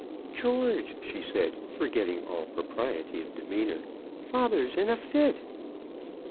"George," she said, forgetting all propriety of demeanour, "father's in a fit!"